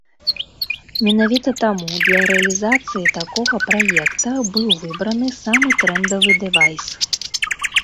Менавіта таму для рэалізацыі такога праекта быў выбраны самы трэндавы дэвайс.